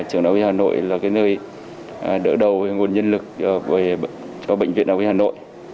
trường đại hội hà nội là nơi đỡ đầu nguồn nhân lực cho bệnh viện đại hội hà nội